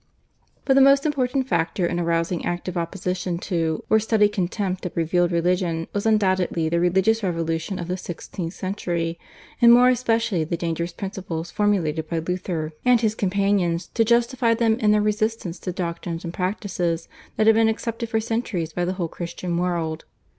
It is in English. But the most important factor in arousing active opposition to or studied contempt of revealed religion was undoubtedly the religious revolution of the sixteenth century, and more especially the dangerous principles formulated by Luther and his companions to justify them in their resistance to doctrines and practices that had been accepted for centuries by the whole Christian world.